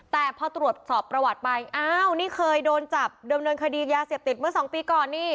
แต่พอตรวจสอบประวัติไปอ้าวนี่เคยโดนจับดำเนินคดียาเสพติดเมื่อสองปีก่อนนี่